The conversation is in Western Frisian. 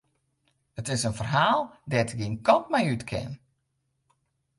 It is in ferhaal dêr't ik gjin kant mei út kin.